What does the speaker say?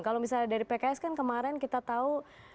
kalau misalnya dari pks kan kemarin kita tahu